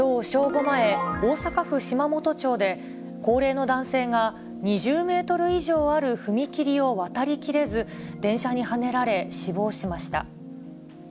午前、大阪府島本町で、高齢の男性が２０メートル以上ある踏切を渡りきれず、電車にはねられ、死亡しました。